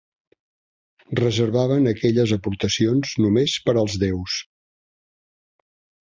Reservaven aquelles aportacions només per als déus.